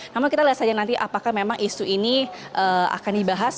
namun kita lihat saja nanti apakah memang isu ini akan dibahas